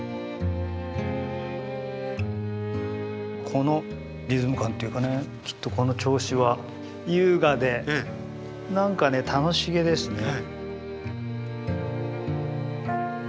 このリズム感っていうかねきっとこの調子は優雅でなんかね楽しげですね。